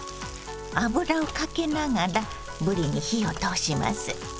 油をかけながらぶりに火を通します。